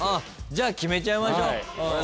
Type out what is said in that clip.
じゃあ決めちゃいましょう。